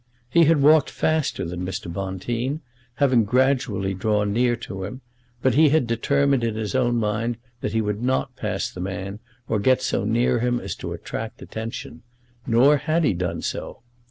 He had walked faster than Mr. Bonteen, having gradually drawn near to him; but he had determined in his own mind that he would not pass the man, or get so near him as to attract attention. Nor had he done so.